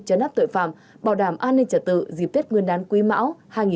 chấn áp tội phạm bảo đảm an ninh trả tự dịp tết nguyên đán quý mão hai nghìn hai mươi bốn